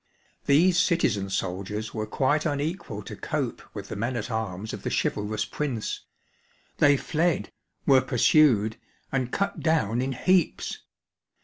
These citizen soldiers were quite unequal to cope with the men at arms of the chivalrous Prince; they fled, were pursued, and cut down in heaps.